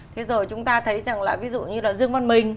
thế rồi chúng ta thấy rằng là ví dụ như là dương văn mình